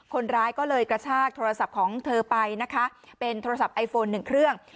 คนร้ายก็เลยกระชากโทรศัพท์ของเธอไปนะคะเป็นโทรศัพท์ไอโฟนหนึ่งเครื่อง